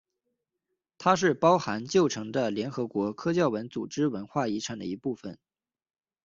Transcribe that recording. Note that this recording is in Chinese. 它是包含旧城的联合国教科文组织世界文化遗产的一部分。